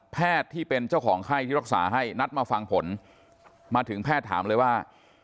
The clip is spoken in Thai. ที่เป็นเจ้าของไข้ที่รักษาให้นัดมาฟังผลมาถึงแพทย์ถามเลยว่า